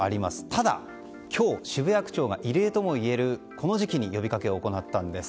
ただ今日、渋谷区長が異例ともいえるこの時期に呼びかけを行ったんです。